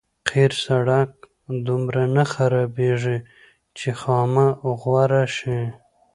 قیر سړک دومره نه خرابېږي چې خامه غوره شي.